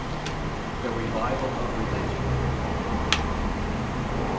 THE REVIVAL OF RELIGION.